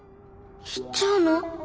行っちゃうの？